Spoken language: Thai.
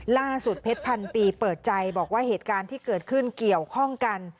เพชรพันปีเปิดใจบอกว่าเหตุการณ์ที่เกิดขึ้นเกี่ยวข้องกัน